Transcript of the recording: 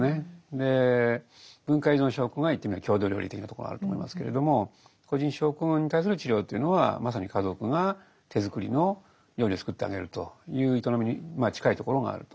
で文化依存症候群が言ってみれば郷土料理的なところがあると思いますけれども個人症候群に対する治療というのはまさに家族が手作りの料理を作ってあげるという営みに近いところがあると。